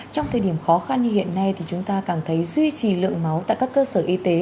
trong thời điểm khó khăn như hiện nay thì chúng ta càng thấy duy trì lượng máu tại các cơ sở y tế